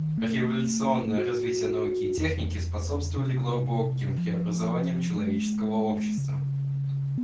Революционное развитие науки и техники способствовали глубоким преобразованиям человеческого общества.